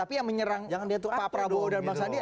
tapi yang menyerang pak prabowo dan bang sandi